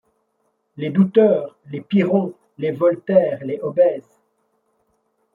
Les douteurs, les Pyrrhons, les Voltaires, les Hobbes